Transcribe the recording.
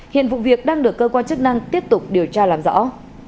hiện vụ việc đang được cơ quan chức năng tiếp tục điều tra làm rõ